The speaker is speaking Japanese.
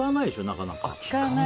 なかなか。